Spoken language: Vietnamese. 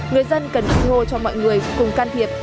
người dân cần ủng hộ cho mọi người cùng can thiệp